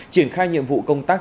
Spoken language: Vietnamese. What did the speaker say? triển khai nhiệm vụ công tác